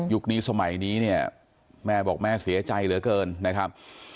นี้สมัยนี้เนี่ยแม่บอกแม่เสียใจเหลือเกินนะครับ